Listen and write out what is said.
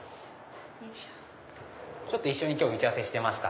一緒に今日打ち合わせしてました。